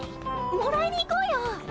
もらいにいこうよ！